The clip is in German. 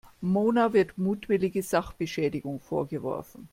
Mona wird mutwillige Sachbeschädigung vorgeworfen.